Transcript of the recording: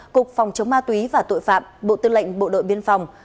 cục phòng chống ma túy và tội phạm bộ tư lệnh bộ đội biên phòng